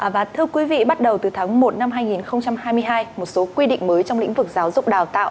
và thưa quý vị bắt đầu từ tháng một năm hai nghìn hai mươi hai một số quy định mới trong lĩnh vực giáo dục đào tạo